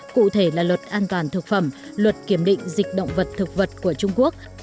cụ thể là luật an toàn thực phẩm luật kiểm định dịch động vật thực vật của trung quốc